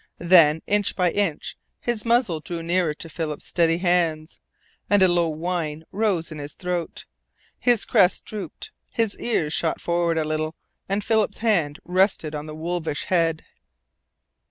Then, inch by inch, his muzzle drew nearer to Philip's steady hands, and a low whine rose in his throat. His crest drooped, his ears shot forward a little, and Philip's hand rested on the wolfish head.